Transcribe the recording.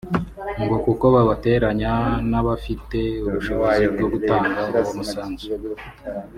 ngo kuko babateranya n’abafite ubushobozi bwo gutanga uwo musanzu